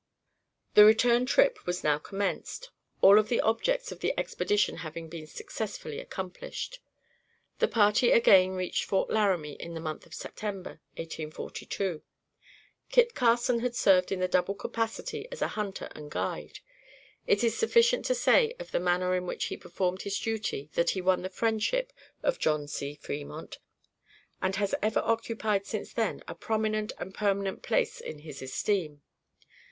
The return trip was now commenced, all of the objects of the expedition having been successfully accomplished. The party again reached Fort Laramie in the month of September, 1842. Kit Carson had served in the double capacity as a hunter and guide. It is sufficient to say of the manner in which he performed his duties that he won the friendship of John C. Fremont, and has ever occupied since then a prominent and permanent place in his esteem.